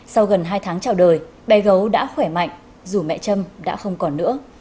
sau gần hai tháng trào đời bé gấu đã khỏe mạnh dù mẹ trâm đã không còn nữa